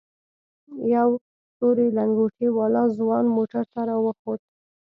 يو تورې لنگوټې والا ځوان موټر ته راوخوت.